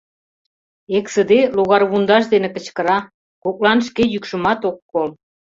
Эксыде логарвундаш дене кычкыра, коклан шке йӱкшымат ок кол.